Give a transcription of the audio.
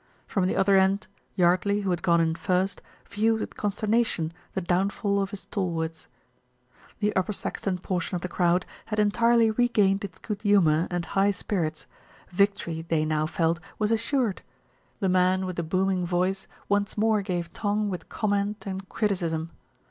From the other end Yardley, who had gone in first, viewed with consterna tion the downfall of his stalwarts. The Upper Saxton portion of the crowd had en tirely regained its good humour and high spirits. Vic tory they now felt was assured. The man with the booming voice once more gave tongue with comment and criticism.